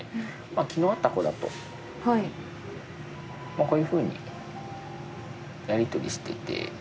まあ昨日会った子だとこういうふうにやりとりしていて。